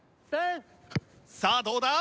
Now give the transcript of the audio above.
さあどうだ？